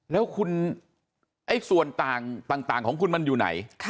แล้วคุณไอ้ส่วนต่างของคุณมันอยู่ไหน